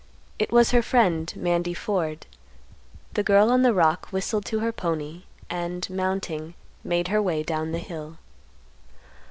It was her friend, Mandy Ford. The girl on the rock whistled to her pony, and, mounting, made her way down the hill.